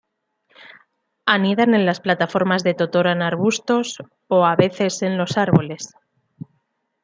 Anidan en las plataformas de totora en arbustos, o, a veces en los árboles.